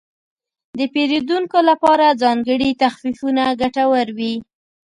د پیرودونکو لپاره ځانګړي تخفیفونه ګټور وي.